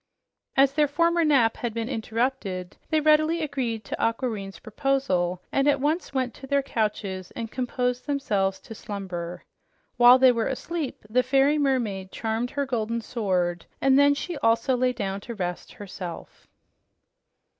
As their former nap had been interrupted, they readily agreed to Aquareine's proposal and at once went to their couches and composed themselves to slumber. When they were asleep, the fairy mermaid charmed her golden sword and then she also lay down to rest herself.